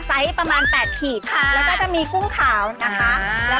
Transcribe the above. ไซส์ประมาณ๘ขีดค่ะแล้วก็จะมีกุ้งขาวนะคะ